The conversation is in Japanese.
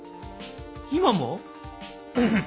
今も⁉